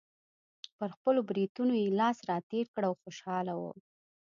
پر خپلو برېتونو یې لاس راتېر کړ او خوشحاله و.